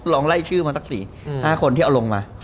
ลองไล่ชื่อมาสัก๔๕คนที่เอาลงมา